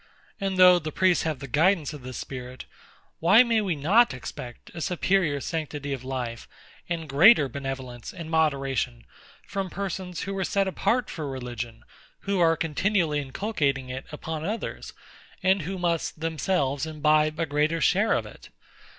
And though the priests have the guidance of this spirit, why may we not expect a superior sanctity of life, and greater benevolence and moderation, from persons who are set apart for religion, who are continually inculcating it upon others, and who must themselves imbibe a greater share of it?